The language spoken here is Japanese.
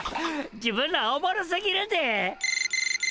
自分らおもろすぎるで！